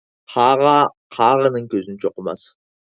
قاغا قاغىنىڭ كۆزىنى چوقۇماس.